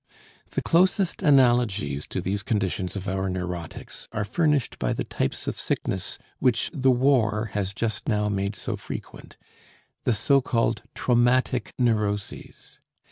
The closest analogies to these conditions of our neurotics are furnished by the types of sickness which the war has just now made so frequent the so called traumatic neuroses.